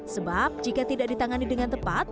sebab jika tidak ditangani dengan tepat